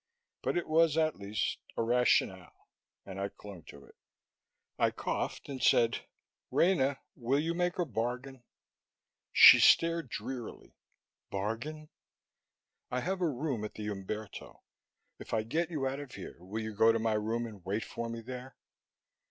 But it was, at least, a rationale, and I clung to it. I coughed and said: "Rena, will you make a bargain?" She stared drearily. "Bargain?" "I have a room at the Umberto. If I get you out of here, will you go to my room and wait for me there?"